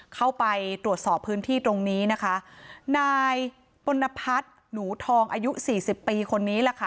เข้าไปตรวจสอบพื้นที่ตรงนี้นะคะนายปนพัฒน์หนูทองอายุสี่สิบปีคนนี้แหละค่ะ